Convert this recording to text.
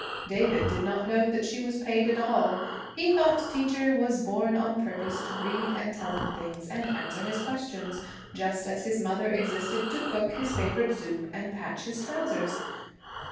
David did not know that she was paid at all. He thought Teacher was born on purpose to read and tell him things and answer his questions, just as his mother existed to cook his favorite soup and patch his trousers.